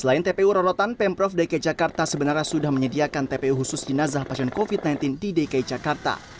selain tpu rorotan pemprov dki jakarta sebenarnya sudah menyediakan tpu khusus jenazah pasien covid sembilan belas di dki jakarta